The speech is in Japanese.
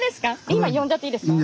今呼んじゃっていいですか？